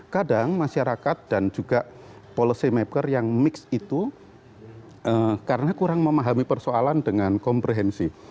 kadang masyarakat dan juga policy maker yang mix itu karena kurang memahami persoalan dengan komprehensi